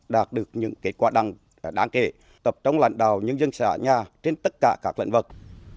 đạt được những kết quả đáng kể tập trung lành đào những dân xã nhà trên tất cả các lãnh vật